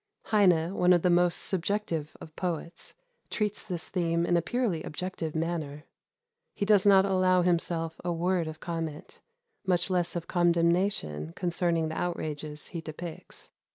Heine, one of the most subjective of poets, treats this theme in a purely objective manner. He does not allow himself a word of comment, much less of condemnation concerning the outrages he depicts.